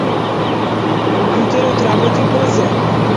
Компјутерот работи брзо.